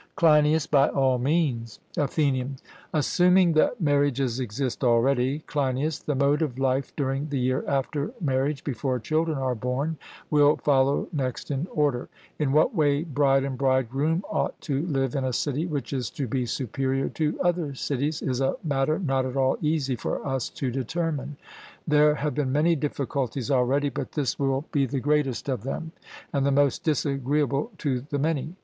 CLEINIAS: By all means. ATHENIAN: Assuming that marriages exist already, Cleinias, the mode of life during the year after marriage, before children are born, will follow next in order. In what way bride and bridegroom ought to live in a city which is to be superior to other cities, is a matter not at all easy for us to determine. There have been many difficulties already, but this will be the greatest of them, and the most disagreeable to the many.